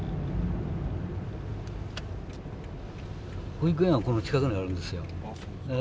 保育園はこの近くにあるんですよ。